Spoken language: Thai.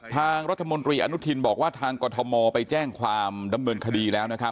ทางรัฐมนตรีอนุทินบอกว่าทางกรทมไปแจ้งความดำเนินคดีแล้วนะครับ